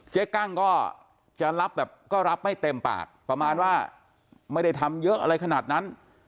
กั้งก็จะรับแบบก็รับไม่เต็มปากประมาณว่าไม่ได้ทำเยอะอะไรขนาดนั้น